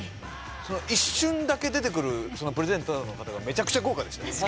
その一瞬だけ出てくるプレゼンターの方がめちゃくちゃ豪華でしたよね